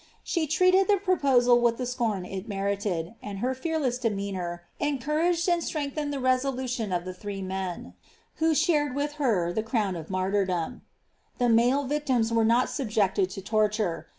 She treated the proposal with the scorn it merited, and her fearless demean our encouraged and strengthened the resolution of the three men, who shared with her the crown of martyrdom. The male victims were not subjected to torture.